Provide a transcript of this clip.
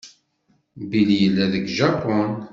Bill yella deg Japun.